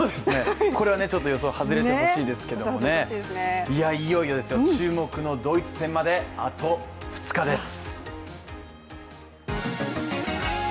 これはちょっと予想が外れてほしいですけどいよいよですよ、注目のドイツ戦まであと２日です。